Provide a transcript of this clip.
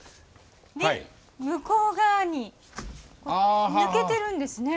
向こう側に抜けてるんですね。